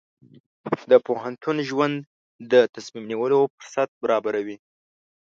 د پوهنتون ژوند د تصمیم نیولو فرصت برابروي.